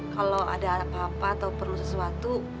kalau ada apa apa atau perlu sesuatu